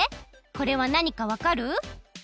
これはなにかわかる？